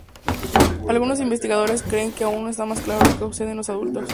Algunos investigadores creen que aún no está claro lo que sucede en los adultos.